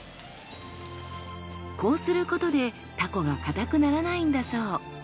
こうすることでタコが硬くならないんだそう。